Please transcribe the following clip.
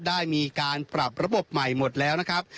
ได้มีการปรับระบบใหม่หมดแล้วนะครับ